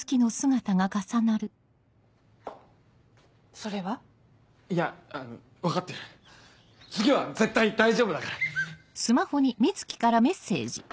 それは？いや分かってる次は絶対大丈夫だから！